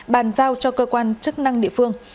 bàn giao cho cơ quan chức năng địa phương